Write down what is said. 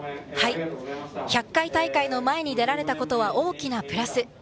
１００回大会の前に出られたことは大きなプラス。